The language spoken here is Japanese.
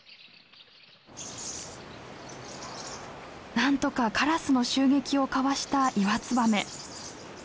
なんとかカラスの襲撃をかわしたイワツバメ。